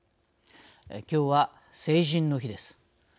きょうは、成人の日です。